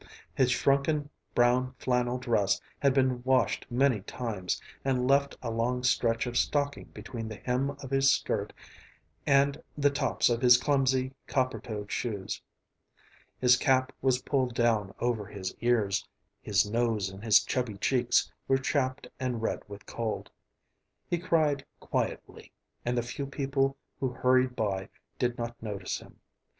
His shrunken brown flannel dress had been washed many times and left a long stretch of stocking between the hem of his skirt and the tops of his clumsy, copper toed shoes. His cap was pulled down over his ears; his nose and his chubby cheeks were chapped and red with cold. He cried quietly, and the few people who hurried by did not notice him.